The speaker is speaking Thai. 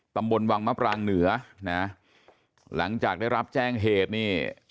ตำบลวังมะปรางเหนือนะหลังจากได้รับแจ้งเหตุนี่